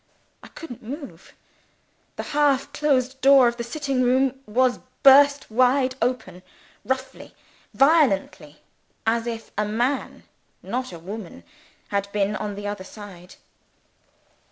I couldn't move. The half closed door of the sitting room was burst wide open roughly, violently, as if a man, not a woman, had been on the other side.